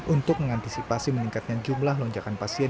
untuk mengantisipasi meningkatnya jumlah lonjakan pasien